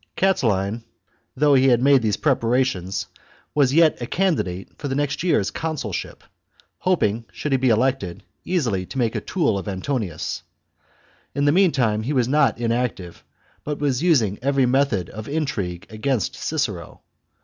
CHAP. Catiline, thoup h he had made these preparations, XXVI ' o «. i was yet a candidate for the next year's consulship, hoping, should he be elected, easily to make a tool of , Antonius. In the meantime he was not inactive, but was using every method of intrigue against Cicero.